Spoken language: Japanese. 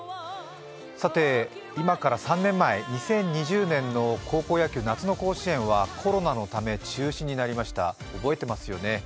さて、今から３年前、２０２０年の高校野球夏の甲子園はコロナのため中止になりました、覚えてますよね。